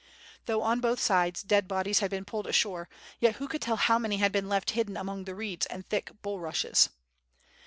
Though on both sides dead bodies had been pulled ashore, yet who could tell how many had been left hidden among the reeds and thick bulrushes?